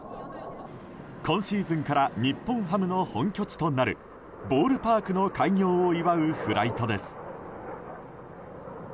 今シーズンから日本ハムの本拠地となるボールパークの開業を祝うフライトです。